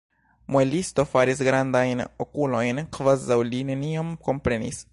Muelisto faris grandajn okulojn, kvazaŭ li nenion komprenis.